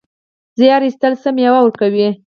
زیار ایستل څه مېوه ورکوي؟